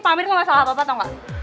pak amir kan masalah apa apa tau gak